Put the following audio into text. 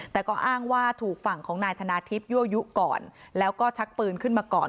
แต่ก็อ้างว่าถูกฝั่งของนายธนาทิพยั่วยุก่อนแล้วก็ชักปืนขึ้นมาก่อน